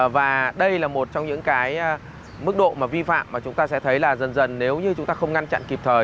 và đây là một trong những cái mức độ mà vi phạm mà chúng ta sẽ thấy là dần dần nếu như chúng ta không ngăn chặn kịp thời